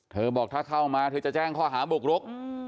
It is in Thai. บอกถ้าเข้ามาเธอจะแจ้งข้อหาบุกรุก